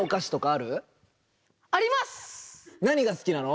何がすきなの？